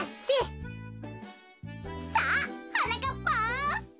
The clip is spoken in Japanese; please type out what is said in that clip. さあはなかっぱん！